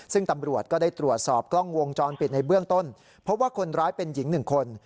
ซึ่งตำรวจก็ได้ตรวจสอบกล้องวงจรปิดในเบื้องต้นพบว่าคนร้ายเป็นหญิงหนึ่งคน